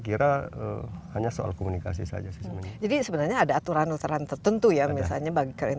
kira hanya soal komunikasi saja sebenarnya jadi sebenarnya ada aturan aturan tertentu ya misalnya bagi kalian